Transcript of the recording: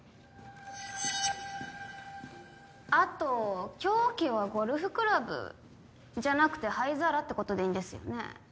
あと凶器はゴルフクラブじゃなくて灰皿ってことでいいんですよね？